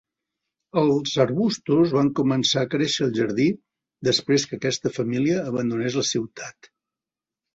Els arbustos van començar a créixer al jardí després que aquesta família abandonés la ciutat.